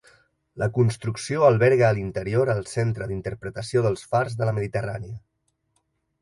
La construcció alberga a l'interior el centre d'interpretació dels fars de la Mediterrània.